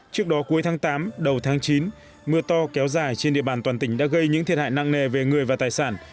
trước đó cuối tháng tám đầu tháng chín mưa to kéo dài trên địa bàn toàn tỉnh đã gây những thiệt hại nặng nề về người và tài sản